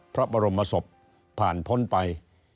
พระบรมศพผ่านพ้นไป